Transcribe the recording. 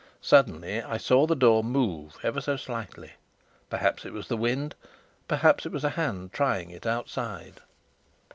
Suddenly I saw the door move ever so slightly perhaps it was the wind, perhaps it was a hand trying it outside.